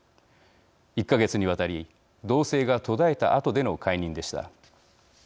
１か月にわたり動静が途絶えたあとでの解任でした。